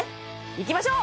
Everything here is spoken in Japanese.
いきましょう！